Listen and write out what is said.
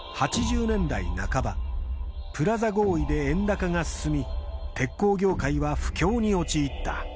８０年代半ばプラザ合意で円高が進み鉄鋼業界は不況に陥った・